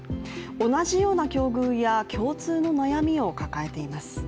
同じような境遇や共通の悩みを抱えています。